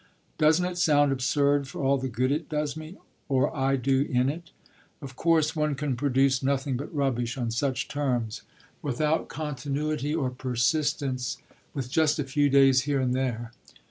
"Doesn't it sound absurd, for all the good it does me, or I do in it? Of course one can produce nothing but rubbish on such terms without continuity or persistence, with just a few days here and there.